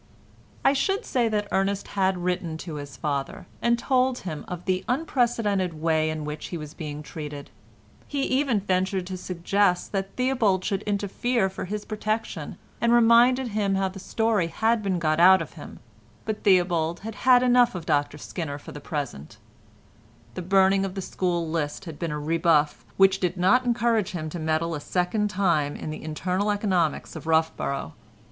I should say that Ernest had written to his father, and told him of the unprecedented way in which he was being treated; he even ventured to suggest that Theobald should interfere for his protection and reminded him how the story had been got out of him, but Theobald had had enough of Dr Skinner for the present; the burning of the school list had been a rebuff which did not encourage him to meddle a second time in the internal economics of Roughborough.